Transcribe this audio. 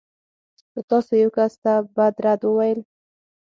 که تاسو يو کس ته بد رد وویل.